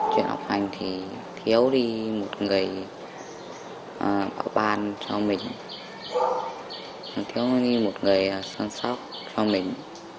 chuyện học hành thì thiếu đi một người bảo bàn cho mình thiếu đi một người sân sắc cho mình